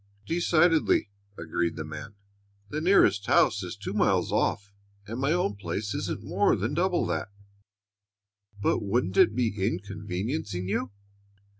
"Decidedly!" agreed the man. "The nearest house is two miles off, and my own place isn't more than double that. But wouldn't it be inconveniencing you?"